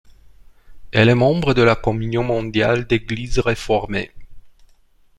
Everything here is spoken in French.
Elle est membre de la Communion mondiale d'Églises réformées.